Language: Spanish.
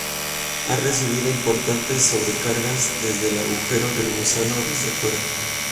Ha resistido importantes sobrecargas desde el agujero de gusano o desde fuera.